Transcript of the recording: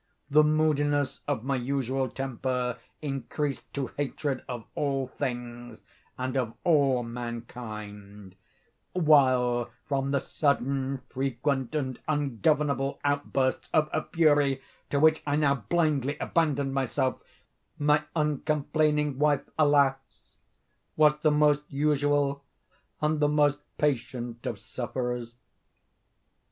The moodiness of my usual temper increased to hatred of all things and of all mankind; while, from the sudden, frequent, and ungovernable outbursts of a fury to which I now blindly abandoned myself, my uncomplaining wife, alas, was the most usual and the most patient of sufferers.